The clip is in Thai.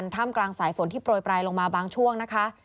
ที่โปรยปลายลงมาบางช่วงนะคะ